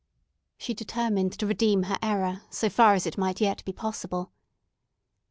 She determined to redeem her error so far as it might yet be possible.